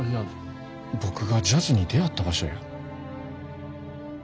僕がジャズに出会った場所や。